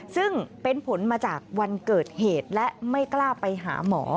ซึ่งเป็นผลมาจากวันเกิดเหตุและไม่กล้าไปหาหมอ